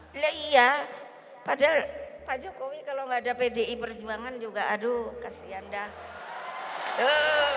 hai leia pada pak jokowi kalau ada pdi perjuangan juga aduh kasihan dah tuh